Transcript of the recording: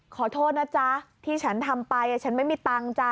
ขอโทษนะจ๊ะที่ฉันทำไปฉันไม่มีตังค์จ๊ะ